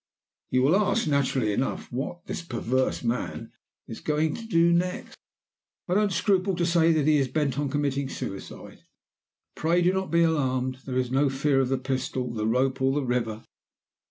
"You will ask, naturally enough, what this perverse man is going to do next. I don't scruple to say that he is bent on committing suicide. Pray do not be alarmed! There is no fear of the pistol, the rope, or the river.